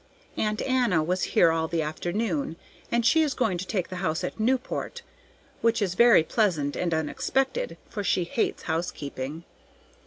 Aunt Anna was here all the afternoon, and she is going to take the house at Newport, which is very pleasant and unexpected, for she hates housekeeping.